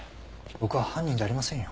僕は犯人じゃありませんよ。